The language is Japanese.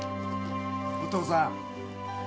お父さん。